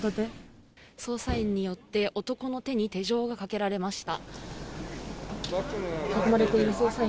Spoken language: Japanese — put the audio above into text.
捜査員によって男の手に手錠がかけられました。